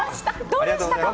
どうでしたか？